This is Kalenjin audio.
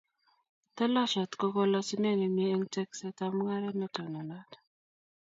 Tolosiet ko kolosunet ne mie eng teeksetab mungaret ne tononot